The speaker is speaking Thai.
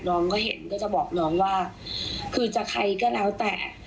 น้องก็เห็นก็จะบอกน้องว่าคือจะใครก็แล้วแต่